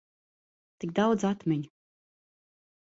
Tik daudz atmiņu.